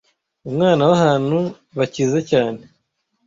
umwana w'ahantu bakize cyane